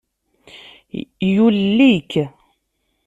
Yulel-ik.